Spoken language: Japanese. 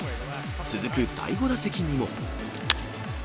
続く第５打席にも。